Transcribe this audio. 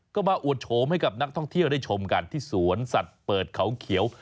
ก็มาอวดโฉมให้กับนักท่องเที่ยวได้ชมกันที่สวนสัตว์เปิดเขาเขียว